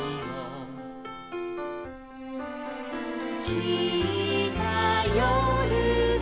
「きいたよるは」